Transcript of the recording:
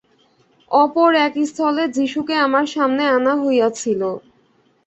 অপর একস্থলে যীশুকে আমার সামনে আনা হইয়াছিল।